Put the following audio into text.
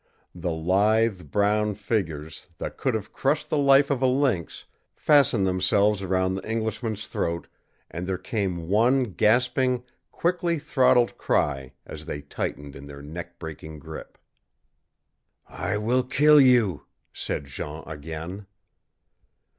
The lithe, brown fingers, that could have crushed the life of a lynx, fastened themselves around the Englishman's man's throat, and there came one gasping, quickly throttled cry as they tightened in their neck breaking grip. "I will kill you!" said Jean again.